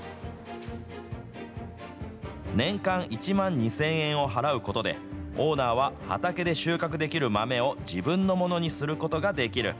年間１万２０００円を払うことで、オーナーは畑で収穫できる豆を、自分のものにすることができる。